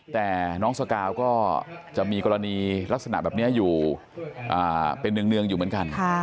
แต่น้องสกาวก็จะมีกรณีลักษณะแบบนี้อยู่เป็นเนืองอยู่เหมือนกัน